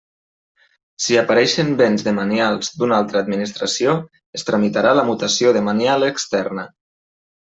Si apareixen béns demanials d'una altra administració, es tramitarà la mutació demanial externa.